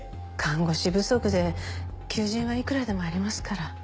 看護師不足で求人はいくらでもありますから。